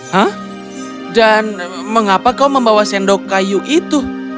hah dan mengapa kau membawa sendok kayu itu